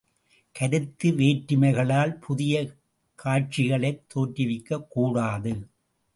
கருத்து வேற்றுமைகளால் புதிய காட்சிகளைத் தோற்றுவிக்கக் கூடாது.